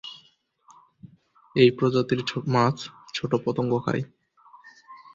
এই প্রজাতির মাছ ছোট পতঙ্গ খায়।